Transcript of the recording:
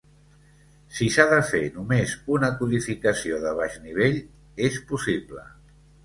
Si s'ha de fer només una codificació de baix nivell, és possible.